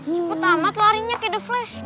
cepet amat larinya kayak the flash